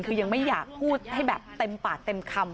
คือยังไม่อยากพูดให้แบบเต็มปากเต็มคำ